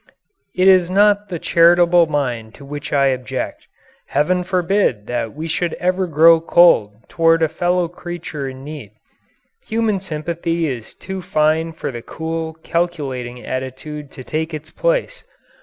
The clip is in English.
It is not the charitable mind to which I object. Heaven forbid that we should ever grow cold toward a fellow creature in need. Human sympathy is too fine for the cool, calculating attitude to take its place.